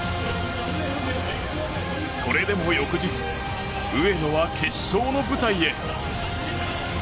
それでも翌日上野は決勝の舞台へ。